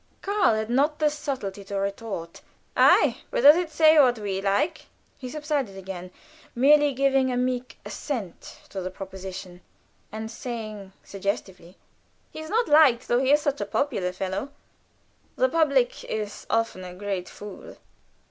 Karl had not the subtlety to retort, "Ay, but does it say what we like?" He subsided again, merely giving a meek assent to the proposition, and saying, suggestively: "He's not liked, though he is such a popular fellow." "The public is often a great fool."